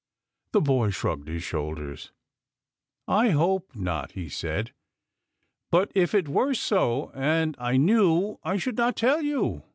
The boy shrugged his shoulders. " I hope not," he said. " But if it were so, and I knew, I should not tell you.